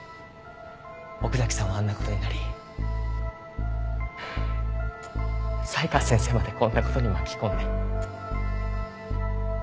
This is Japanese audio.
奥崎さんはあんな事になり才川先生までこんな事に巻き込んで。